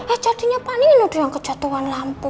eh jadinya pak nino yang kejatuhan lampu